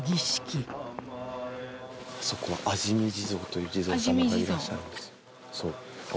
あそこは嘗試地蔵という地蔵様がいらっしゃるんですよ。